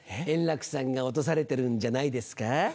円楽さんが落とされてるんじゃないですか？